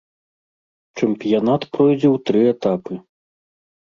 Чэмпіянат пройдзе ў тры этапы.